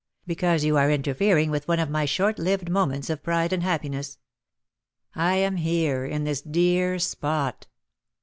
"Because you are interfering with one of my short lived moments of pride and happiness. I am here, in this dear spot!"